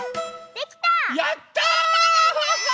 できた！